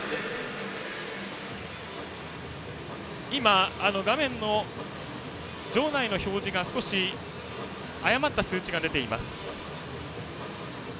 今、画面の場内の表示が少し誤った数値が出ています。